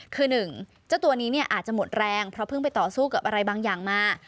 คือหนึ่งเจ้าตัวนี้อาจจะหมดแรงเพราะเพิ่งไปต่อสู้กับอะไรบางอย่างมา